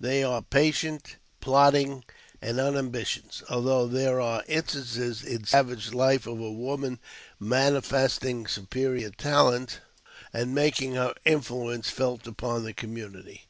They are patient, plodding, and ambitious, although there are instances in savage life of a woman manifest ing superior talent, and making her influence felt upon the community.